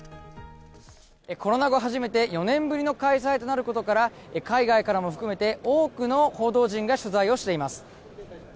コロナ後、初めて４年ぶりの開催となることから、海外からも含めて多くの報道陣が取材をしています。